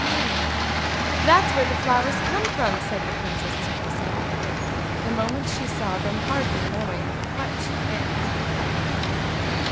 "Oh, that's where the flowers come from!" said the princess to herself, the moment she saw them, hardly knowing what she meant.